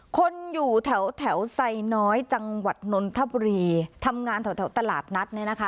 คนอยู่แถวแถวไซน้อยจังหวัดนนทบุรีทำงานแถวตลาดนัดเนี่ยนะคะ